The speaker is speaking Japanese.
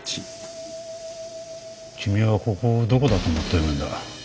君はここをどこだと思ってるんだ。